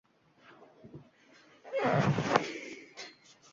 Ovsyannikov boshchiligida qurbaqalarning o‘pka asablarini tadqiq qildi